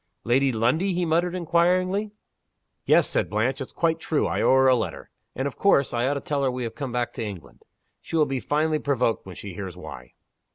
"Lady Lundie?" he muttered, inquiringly. "Yes," said Blanche. "It's quite true; I owe her a letter. And of course I ought to tell her we have come back to England. She will be finely provoked when she hears why!"